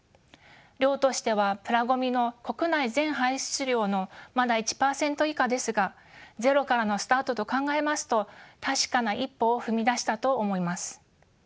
量としてはプラごみの国内全排出量のまだ１％以下ですがゼロからのスタートと考えますと確かな一歩を踏み出したと思います。